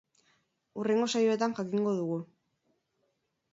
Hurrengo saioetan jakingo dugu!